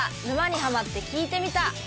「沼にハマってきいてみた」